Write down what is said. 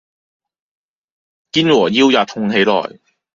肩和腰也痛起來